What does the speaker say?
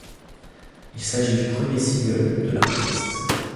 Il s'agit du premier single de l'artiste.